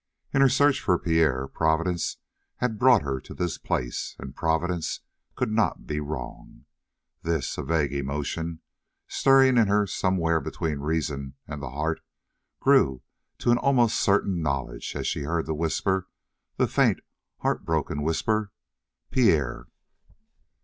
In her search for Pierre, Providence brought her to this place, and Providence could not be wrong. This, a vague emotion stirring in her somewhere between reason and the heart, grew to an almost certain knowledge as she heard the whisper, the faint, heartbroken whisper: "Pierre!"